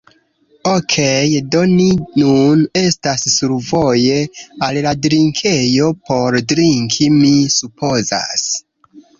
Okej, do ni nun estas survoje al la drinkejo por drinki, mi supozas.